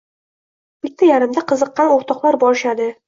Bitta-yarimta qiziqqan o‘rtoqlar borishadi.